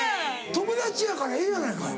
友達やからええやないかい。